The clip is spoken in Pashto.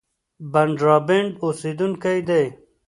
د بندرابن اوسېدونکی دی.